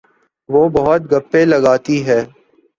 وہ بہت گپیں لگاتی ہے